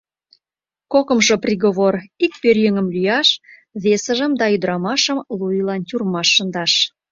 Кокымшо приговор — ик пӧръеҥым лӱяш, весыжым да ӱдрамашым лу ийлан тюрьмаш шындаш.